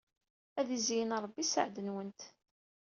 Ad izeyyen Ṛebbi sseɛd-nwent.